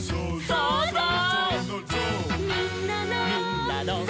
「そうぞう！」